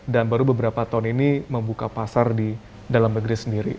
dan baru beberapa tahun ini membuka pasar di dalam negeri sendiri